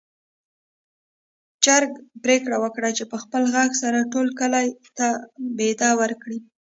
چرګ پرېکړه وکړه چې په خپل غږ سره ټول کلي ته بېده وکړي.